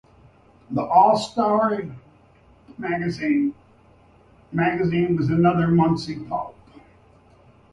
"The All-Story Magazine" magazine was another Munsey pulp.